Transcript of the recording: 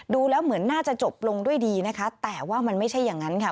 ดูแล้วเหมือนน่าจะจบลงด้วยดีนะคะแต่ว่ามันไม่ใช่อย่างนั้นค่ะ